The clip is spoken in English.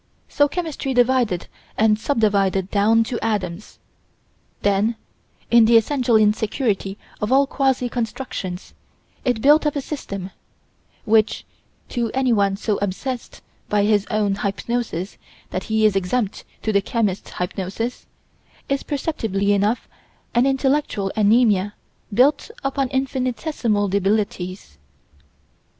So chemistry divided and sub divided down to atoms; then, in the essential insecurity of all quasi constructions, it built up a system, which, to anyone so obsessed by his own hypnoses that he is exempt to the chemist's hypnoses, is perceptibly enough an intellectual anæmia built upon infinitesimal debilities.